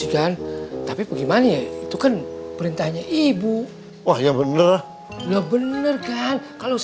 dan tapi pergi mane itu kan perintahnya ibu wah ya bener bener kan kalau aku